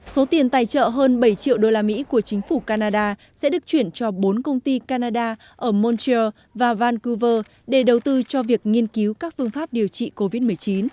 số tiền tài trợ hơn bảy triệu đô la mỹ của chính phủ canada sẽ được chuyển cho bốn công ty canada ở montreal và vancouver để đầu tư cho việc nghiên cứu các phương pháp điều trị covid một mươi chín